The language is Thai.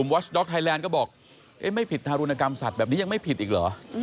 วอสด็อกไทยแลนด์ก็บอกไม่ผิดทารุณกรรมสัตว์แบบนี้ยังไม่ผิดอีกเหรอ